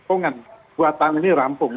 oh kan dua tahun ini rampung